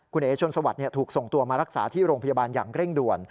คุณเอ๋ชนสวัสดิ์ถูกส่งตัวมารักษาที่โรงพยาบาลอย่างเร่งด่วน